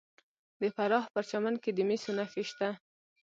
د فراه په پرچمن کې د مسو نښې شته.